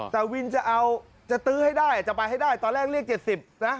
แต่วินจะเอาจะตื้อให้ได้จะไปให้ได้ตอนแรกเรียก๗๐นะ